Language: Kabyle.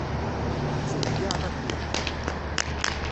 Tettḍeyyiɛeḍ akud.